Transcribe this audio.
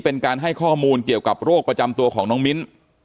เป็นการให้ข้อมูลเกี่ยวกับโรคประจำตัวของน้องมิ้น